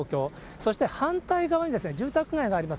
そして反対側に住宅街があります。